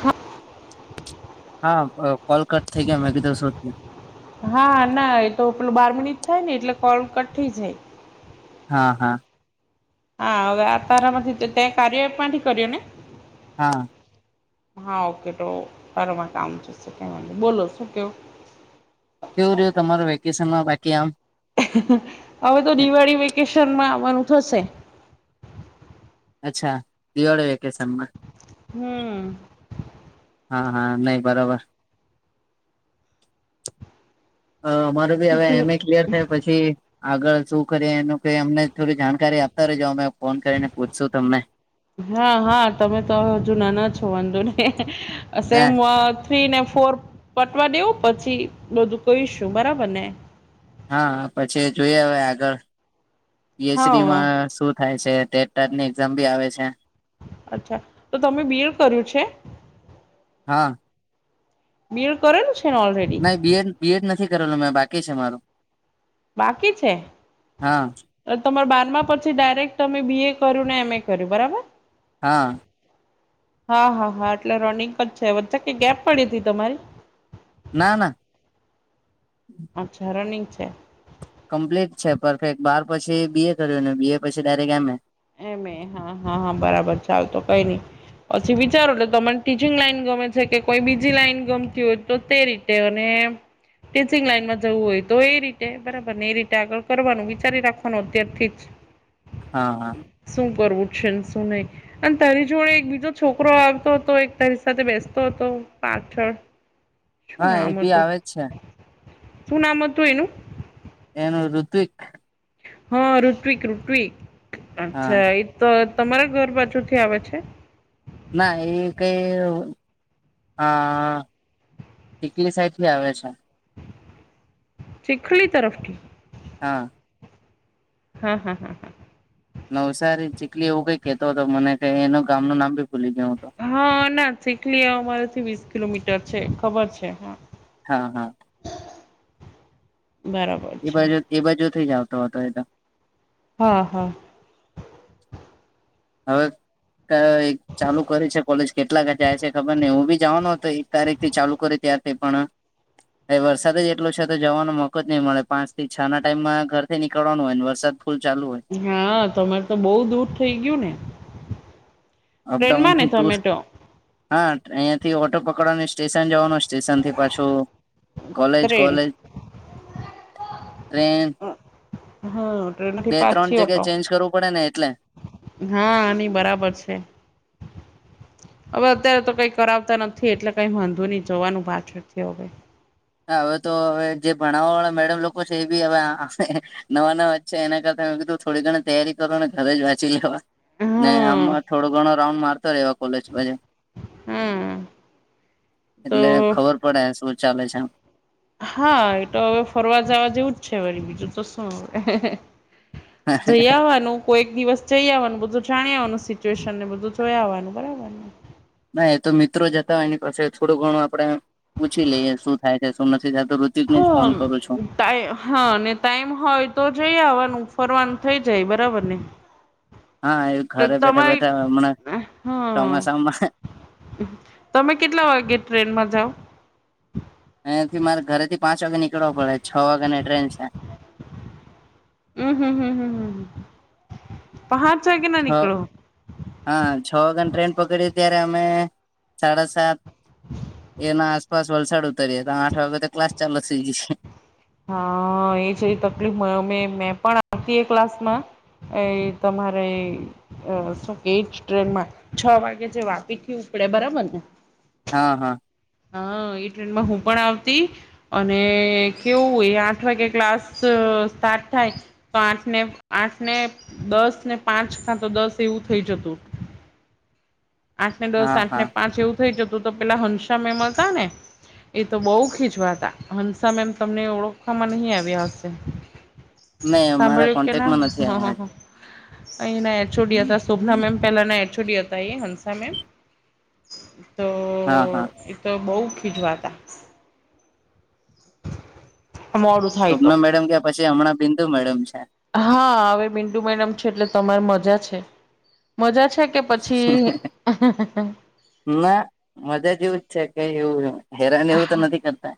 હા હા અહ call cut થઈ ગયા મે કીધું શું થયું હા ના એતો પેલું બાર મિનિટ થાય ને એટલે કોલ કટ થઈ જાય હા હા હા હવે આ તારા માંથી તે કાર્ય એપ માંથી થી કર્યોને? હા હા ઓકે તો હરવા કામ જશે કેવો બોલો સુ કહ્યો? કેવું રહ્યો તમારા વેકેશનમાં બાકી આમ? હવે તો દિવાળી વેકેશનમાં આવવાનું થશે. અચ્છા! દિવાળો વેકેશનમાં હમ હા હા નહી બરાબર અમારે હવે એમ એ ક્લિયર થયા પછી આગળ શું કરીએ એનું કે અમને થોડી જાણકારી આપતા રેજો અમે ફોન કરીને પૂછશું તમને- હા હા તમે તો હજુ નાના છો વાંધો નહિ ના સેમ વા થ્રી ને ફોર પતવા દયો પછી બધું કઈશું બરાબર ને હા પછી જોઈએ હવે આગળ હા પીએચડીમાં શું- થાય છે ટેટ ટાટ ની એક્ઝામ બી આવે છે. અચ્છા તો તમે બી. એડ. કર્યું છે? હા બી. એડ. કરેલું છે ને ઓલરેડી? [unintelligible] બી. એડ. નથી કરેલુ મેં બાકી છે મારું. બાકી છે. હા તમારે બારમામાં પછી ડાયરેક્ટ તમે બી. એ. કર્યું ને એમ. એ. કર્યું બરાબર? હા હા હા હા એટલે રનિંગ જ છે વચ્ચે કઈ ગેપ પડી હતી તમારી? ના ના અચ્છા રનિંગ છે. કમ્પ્લીટ છે પરફેક્ટ બાર પછી બી. એ. કર્યું ને બી. એ. પછી ડાયરેક્ટ એમ. એ. એમ. એ. હા હા હા બરાબર ચાલ તો કઈ નઈ. પછી વિચારો કે તમને ટીચિંગ લાઈન ગમે છે કે કોઈ બીજી લાઈન ગમતી હોય તો તે રીતે અને ટીચિંગ લાઈનમાં જવું હોય તો એ રીતે બરાબર ને એ રીતે આગળ કરવાનું વિચારી રાખવાનું અત્યારથી જ. હા શું કરવું છે ને શું નહીં. અને તારી જોડે એક બીજો છોકરો આવતો હતો એક તારી સાથે બેસતો હતો પાછળ [inaudible] શું એ નામ બી હતું આવે જ છે શું નામ હતું એનું? એનું ઋત્વિક. હા ઋત્વિક ઋત્વિક. હા અચ્છા! એ તો તમારા ઘર બાજુ થી આવે છે? ના એ કઈ હા ચીખલી સાઈડ થી આવે છે. ચીખલી તરફથી? હા હા હા હા નવસારી ચીખલી એવું કઈ કેતો હતો મને કઈ એનું ગામ નું નામ ભી ભૂલી ગયો હું તો. હા ના ચીખલી અમારેથી વીસ કિલોમીટર છે ખબર છે હા હા હા બરાબર એ છે બાજુ એ બાજુ થથી જ આવતો હતો એ તો. હા હા. હવે ચાલુ કરે છે કોલેજ કેટલાક જાય છે ખબર ને હું બી જવાનો હતો તારીખ ચાલુ કરી ત્યાર થી પણ હ વરસાદ જ એટલો છે તો જવાનો મોકો જ નહીં મળે પાંચ થી છ ના ટાઈમમાં ઘરથી નીકળવાનું હોય ને વરસાદ ફૂલ ચાલુ હોય. હા તમાર તો બહુ દૂર થઈ ગયું ને અપડાઉન ટ્રેનમાં ને દૂર તમે તો? હા અહીં થી ઓટો પકડવાની સ્ટેશન જવાનું સ્ટેશન થી પાછો કોલેજ ટ્રેન કોલેજ ટ્રેન હમ્મ, ટ્રે બે ત્રણ જગ્યાએ ચેન્જ કરવું પડે ને એટલે. હા ની બરાબર છે. હવે અત્યારે તો કઈ કરાવતા નથી એટલે કઈ વાંધુ નહી જોવાનું પાછળ કેવો રે. હવે તો હવે જે ભણાવવા વાળા મેડમ લોકો છે એ બી હવે આવશે. નવા નવા જ છે એના કરતા મેં કીધું થોડી ઘણી તૈયારી કરો ને ઘરે જ વાંચી લેવા. ને આમ હા થોડો ઘણો રાઉન્ડ મારતો રહેવા કોલેજ. હમ્મ. એટલે ખબર પડે શું ચાલે છેમ? હા એ તો હવે ફરવા જવા જેવું જ છે વરી બીજું તો શું. જઈ આવાનું. કોઈ એક દિવસ જઈ આવવાનું બધું જાણ આવવાનું સિચ્યુએશન ને બધું જોયાવાનું, બરાબર ને? ના એ તો મિત્રો જતા હોય એની પાસે થોડું ઘણું આપડે પૂછી લઈએ શું થાય છે શું નથી થતું બ હમ્મ. ટાઇમ હા ને ટાઈમ હોય તો જઈ આવવાનું ફરવાનું થઇ જાય બરાબર ને? હા એ તો ઘરે બેઠે તમારી બેઠે હમણાં હા ચોમાસામા તમે કેટલા વાગે ટ્રેનમાં જાવ? અંથી મારે ઘરેથી પાંચ વાગે નીકળવો પડે છ વાગ્યા ને ટ્રેન છે. હમ્મ હમ્મ હમ્મ હમ્મ હમ્મ, પાંચ વાગેના છ નીકળો? હા છ વાગના ટ્રેન પકડી ત્યારે અમે સાડા સાત એના આસપાસ વલસાડ ઉતરીયે તો આઠ વાગે તો ક્લાસ ચાલુ થઈ જા છે. હા એ છે તકલીફ મળ અમે મે પણતી એ ક્લાસ માં? એ તમારે અ શોકે એજ ટ્રેનમાં છ વાગે જે વાપી થી ઉપડે બરાબર ને? હા હા. હા એ ટ્રેનમાં હું પણ આવતી અને કેવું એ આઠ વાગે ક્લાસ સ્ટાર્ટ થાય તો આઠ ને આઠ ને દસ ને પાંચ ખાં તો દસ એવું થઈ જતું. [inaudible] આઠ ને દસ હા આઠ ને હા પાંચ એવું થઈ જતું તો પેલા હનસા મેમ હતા ને એ તો બહુ ખીજવાતા હંસા મેમ તમને ઓળખવામાં નહીં આવ્યા હશે. નહી અમારા કોન્ટેક્ટમાં નથી આવ્યા હજ અહીં એચ ઓ ડી હતા શોભના મેમ પેલાના એચ ઓ ડી હતા હંસા મેમ. [inaudible] હા હા. એ તો બહુ ખીજવાતા. મોડું થાય સ્વપ્ન તો મેડમ કે પછી હમણાં બિંદુ મેડમ છે. હા હવે બિડુ મેડમ છે એટલે તમારે મજા છે. મજા છે કે પછી ના મજા જે એવું જ છે કઈ એવું હેરાન એવું તો નથી કરતા.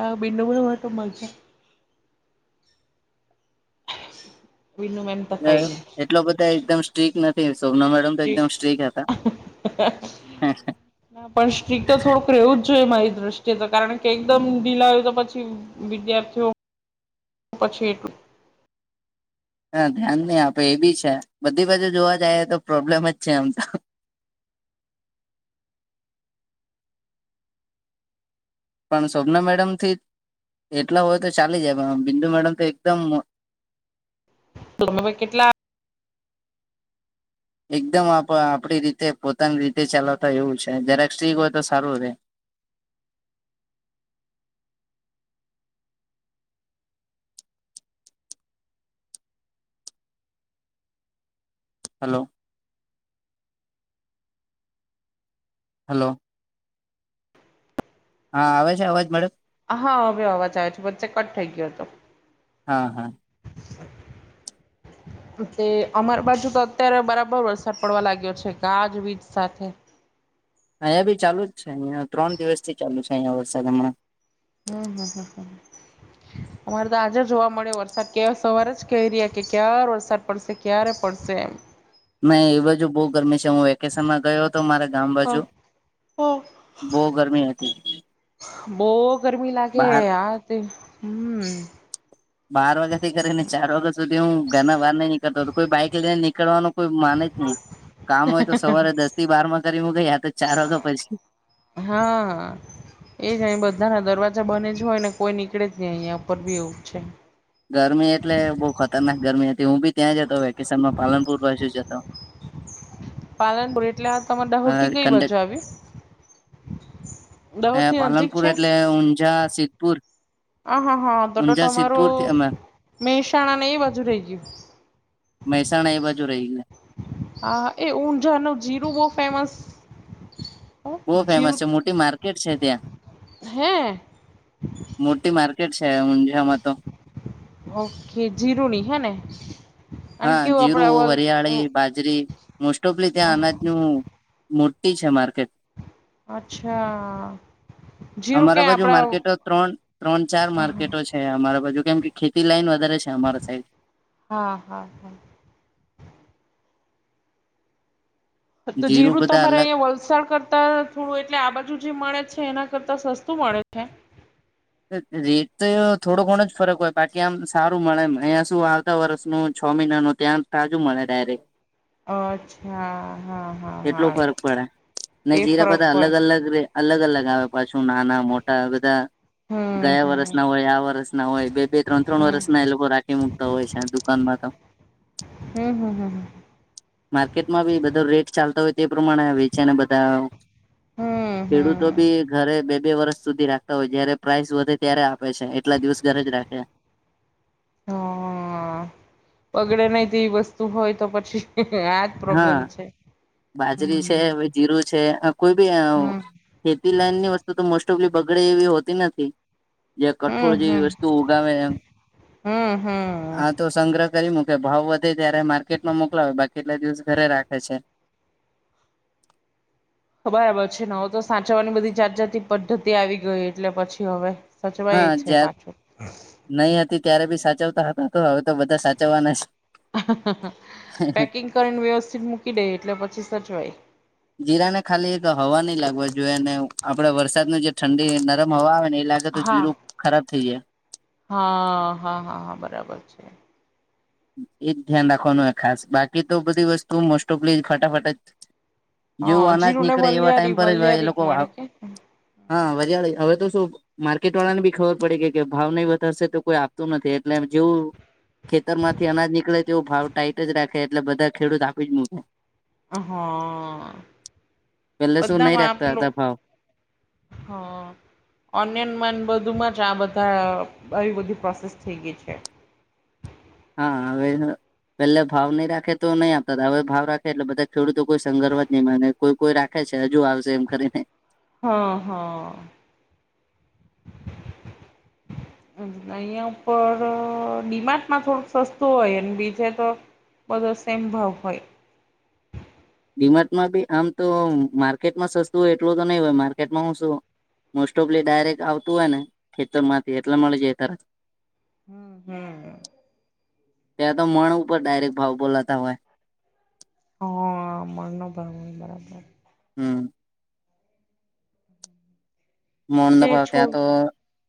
આ બિંદુગ હો તો મલશે. મીનું મેમ તો પસાઈ ને. એટલા બધા એકદમ સ્ટ્રીક નથી સોમના મેડમ તો એકદમ સ્ટ્રીક હતા પણ સ્ટ્રીક તો થોડુક રહેવું જ જોઈએ મારી દ્રષ્ટિએ તો કારણ કે એકદમ ઢીલ આવ તો પછી વિદ્યાર્થીઓ પછી એટલું હા ધ્યાન નહી આપે એ બી છે, બધી બાજુ જોવા જાય તો પ્રોબ્લેમ જ છે આમ તો. પણ શોભના મેડમ થી એટલા હોય તો ચાલી જાય પણ બિંદુ મેડમ તો એકદમ તો તમે કેટલા એકદમ આપ આપડી રીતે પોતાની રીતે ચલાવતા એવું છે જરાક સ્ટ્રી હોય તો સારું રહે હલો હલો હા આવે છે અવાજ મારો હા હવે અવાજ આવે છે વચ્ચે કટ થઈ ગયો હતો હા હા તે અમાર બાજુ તો અત્યારે બરાબર વરસાદ પડવા લાગ્યો છે ગાજવીજ સાથે અહંયા બી ચાલુ જ છે અહીં ત્રણ દિવસ થી ચાલુ છે અહિયા વરસાદ હમણાં હમ હમ હમ [inaudible] અમારે તો આજે જોવા મળે વરસાદ કે સવારે જ કહી રહ્યા કે ક્યારે વરસાદ પડશે ક્યારે પડશે મેં એ બાજુ બહુ ગરમી છે હું વેકેશનમાં ગયો તો મારે ગામ બાજુ હા હા બહુ ગરમી હતી બો ગરમી લાગે બાર આ તે હમ બાર વાગ્યા થી કરી ને ચાર વાગ્યા સુધી હું ઘરના બહાર નઈ નીકળતો હતો કોઈ બાઈક લઈને નીકળવાનું કોઈ માને કામ હોય તો સવારે દસ થી બાર માં કરી મુકઈ યા તો ચાર વાગ્યા પછી હા એ જ અહી બધા ના દરવાજા બન જ હોય ને કોઈ નીકળે જ નહી અહિયા ઉપર બી એવું છે ગરમી એટલે બહુ ખતરનાક ગરમી હતી હું બી ત્યાં જતો વેકેશન માં પાલનપુર બાજુ જ હતો પાલનપુર એટલે આ તમાર દહોટી કઈ કંડક બાજુ આવ્યુ પાલનપુર એટલે ઊંઝા સિદ્ધપુર હા હા હા તોટ ઊંઝા સિદ્ધપુર થી તમારું અમે મહેસાણા ને એ બાજુ રહી ગયું મહેસાણા એ બાજુ રહી ગ્યું હા એ ઊંત જોવાનો જીરું બહુ ફેમસ બહુ ફેમસ જીરું છે મોટી માર્કેટ છે ત્યાં હે મોટી મારકેટ છે હમઝા મા તો ઓકે જીરુણી હે ને અને હા કેવું આપડે જીરું ઓલ વરયાળી બા જરી મોસ્ટ ઓફલી ત્યાં અનાજનું મોટી છે માર્કેટ અચ્છા જીરું અમારા ક્યા બાજુ આપડા માર્કેટો ત્રણ ત્રણ ચાર માર્કેટો છે અમારા બાજુ કેમ કે ખેતી લાઈન વધારે છે અમારા સાઈડ હા હા હા તો જીરું બધા તમારે અલગ અહીંયા વલસાડ કરતા થોડું એટલે આ બાજુ જે મળે છે એના કરતાં સસ્તું મળે છે રેત થોડો ઘણ જ ફરક હોય બાકી આમ સારું મળે એમ અહીંયા શું આવતા વર્ષનું છ મહિનાનું ત્યાં તાજું મળે ડાયરેક્ટ અચ્છા હા હા એટલુ હા ફરક પડે ને એ જીરા ફરક બધા અલગ પડે અલગ રે અલગ અલગ આવે પાછું નાના મોટા બધા ગયા વરષ ના હોય આ વરષ ના હોય બે બે ત્રણ ત્રણ હમ હમ વરષના એ લોકો રાખી મુ તા હોય છે દુકાનમાં તો હ હ હ હ માર્કેટમાં બી બધો રેટ ચાલતો હોય તે પ્રમાણે આ વેચે ને બધા હમ હમ ખેડૂતો હમ ભી ઘરે બે બે વર્ષ સુધી રાખતા હોય જયારે પ્રાઇસ વધે ત્યારે આપે છે, એટલા દિવસ ઘરે જ રાખે. હ બગડે નહીં તેવી વસ્તુ હોય તો પછી પ્રોબ્લેમ હા છે બાજરી છે હમ જીરું છે, આ કોઈ બી હમ ખેતી લાઈન ની વસ્તુ તો મોસ્ટ ઓફલી બગડે એવી હોતી નથી. જે કઠોળ હમ જેવી હમ વસ્તુ ઉગાવે એમ હમ હમ આ તો સંગ્રહ કરી મુકે ભાવ વધે ત્યારે માર્કેટમાં મોકલાવે બાકી કેટલા દિવસ ઘરે રાખે છે. બરાબર છે, ને હવે તો સાચવવાની બધી જાત જાતી પદ્ધતિ આવી ગઈ એટલે પછી હવે, સચવાય છે, પાછો નહીં હતી ત્યારે બી સાચવતા હતા તો હવે તો બધા સાચવવાના છે. પેકિંગ કરીને વ્યવસ્થિત મૂકી દે એટલે પછી સચવાય. જીરાને ખાલી હવા નહી લાગવા જોઈએ ને આપડે વરસાદ ન જે ઠંડી નરમ હવા આવે ને એ લાગે. તો હા જીરું ખરાબ થઈ જાય. હા હા હા હા બરાબર છે. એજ ધ્યાન રાખવાનું ખાસ બાકી તો બધી વસ્તુ મોસ્ટ ઓફ ફટાફટ જ હા જેવું અનાજ જીરું ને નીકળે એવા વલિયારી ટાઈમ પર જ એ વલિયારી લોકો મળે વાવ કે હા વરિયાળી હવે તો શું. માર્કેટ વાળા ને બી ખબર પડે કે કે ભાવ નહી વધારશે તો કોઈ આપતું નથી, એટલે આમ જેવુ ખેતરમાંથી અનાજ નીકળે તેવો ભાવ ટાઈટ જ રાખે એટલે બધા ખેડૂત આપી જ મૂકે હા પેલે શું બધા નહી રાખતા માપલું હતા ભાવ હા. ઓનિયનમાં બધુંમાં જ આ બધા આવી બધી પ્રોસેસ થઈ ગઈ છે. હા હવે પેલે ભાવ નહી, રાખે તો નહી આપતા હવે ભાવ રાખે એટલે બધા ખેડૂતો કોઈ સંગર્વ જ નહીં માને કોઈ કોઈ રાખે છે, હજુ આવશે એમ કરીને હા, હા. [unintelligible] અહં ઉપર ડિમાન્ડમાં થોડુંક સસ્તું હોય એ બીજે તો બધો સેમ ભાવ હોય. ડિમાટમાં બી આમ તો માર્કેટમાં સસ્તું હોય એટલું તો નહી હોય માર્કેટમાં હું શું મોસ્ટ ઓફલી ડાયરેક્ટ આવતું હોય ને ખેતર માંથી એટલા મળે જાય તરત હું, હું. ત્યાં તો મણ ઉપર ડાયરેક્ટ ભાવ બોલાતા હોય. હા મણનો બરાબર બરાબર હું. હું. મન ધો પત્યા તો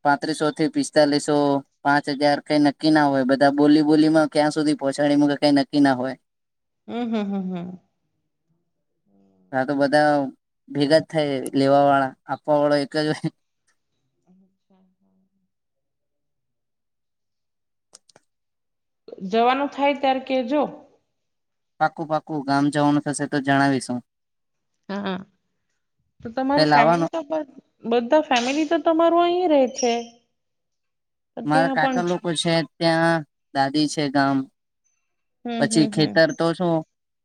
પાંત્રીસો થી પિસ્તાલીસો પાંચ હજાર કંઈ નક્કી ના હોય બધા બોલી બોલીમાં ક્યાં સુધી પહોંચાડી મુકી કઈ નક્કી ના હોય. હું, હું, હું, હું. હા તો બધા ભેગા જ થાય લેવા વાળા આપવા વાળા એક જ હોય [unintelligible] જવાનું થાય ત્યારે કે જો પાકું પાકું ગામ જવાનું થશે તો જણાવીશું હા તો તે તમારું ફેમિલી લાવવાનું તો બધા ફેમિલી તો તમારું અહીં રહેે છે. મારા ત્યાં પણ કાકા લોકો છે, ત્યાં દાદી છે, ગામ હમ હમ પછી હમ ખેતર તો શું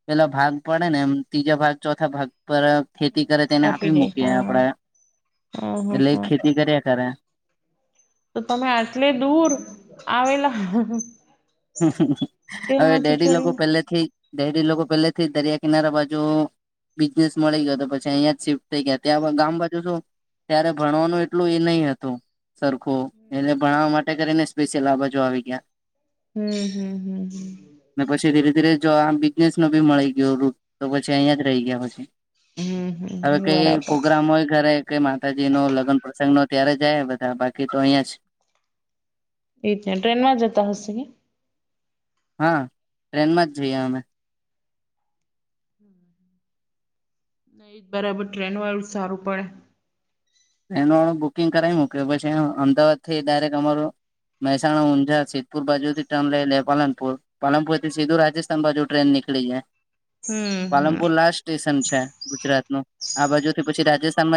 પેલા ભાગ પડે ને એમ ત્રીજા ભાગ ચોથા ભાગ પર ખેતી કરે તેને આપી દે મૂકીએ હા આપડે હમ હમ એટલે હમ ખેતી કરીએ કરે તો તમે આટલે દૂર આવેલા હવે ત્યાંથી ડેડી લોકો છોડીને પેલે થી ડેરી લોકો પેલે થી દરિયા કિનારા બાજુ બિઝનેસ મળી ગયો તો પછી અહીંયાં જ શિફ્ટ થઈ ગયા ત્યાં ગામ બાજુ શું ત્યારે ભણવાનું એટલું એ નય હતું. સરખો એને ભણાવવા માટે કરીને સ્પેશિયલ આ બાજુ આવી ગયા. હમ હમ હમ હમ. પછી ધીરે ધીરે જો આ બિઝનેસ નો ભી મળી ગયો રૂટ તો પછી અહીંયા જ રહી ગયા પછી. હમ હમ હવે હમ કઈ બરાબર પ્રોગ્રામ હોય ઘરે કે માતાજી નો લગન પ્રસંગ નો ત્યારે જાય બધા બાકી તો અહીંયા છે. એ ટ્રેન માં જતા હશે નય હા ટ્રેનમાં જ જઈએ અમે [inaudible] નહી બરાબર ટ્રેન વાળું સારું પડે. એનો બુકિંગ કરાવી મૂકયો પછી અમદાવાદ થી ડાયરેક્ટ અમારું મહેસાણા ઊંઝા સિધ્ધપુર બાજુ થી ટન લયલે પાલનપુર પાલનપુર થી સીધું રાજસ્થાન બાજુ ટ્રેન નીકળી જાય હમ હમ પાલનપુર લાસ્ટ સ્ટેશન છે ગુજરાત નું આ બાજુ થી પછી રાજસ્થાનમાં